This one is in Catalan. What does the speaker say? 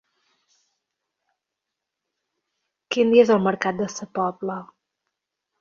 Quin dia és el mercat de Sa Pobla?